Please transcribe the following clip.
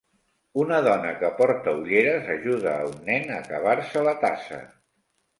Una dona que porta olleres ajuda un nen a acabar-se la tassa